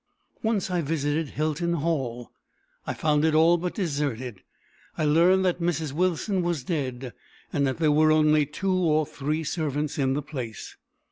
Once I visited Hilton Hall. I found it all but deserted. I learned that Mrs. Wilson was dead, and that there were only two or three servants in the place.